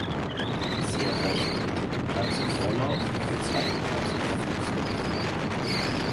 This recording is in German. Sie erreichten den dritten Platz im Vorlauf und den zweiten Platz im Hoffnungslauf.